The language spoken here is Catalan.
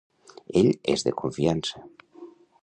Ell és de confiança.